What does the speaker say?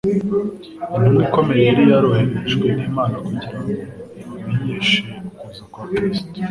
Intumwa ikomeye yari yaroherejwe n'Imana kugira ngo ibamenyeshe ukuza kwa kristo,